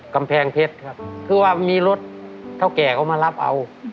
กำแพงเพชรครับคือว่ามีรถเท่าแก่เขามารับเอา